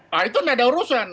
nah itu tidak ada urusan